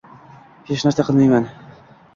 — Hech narsa qilmayman.